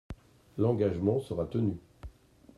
L’engagement sera tenu.